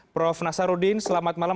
prof nasaruddin selamat malam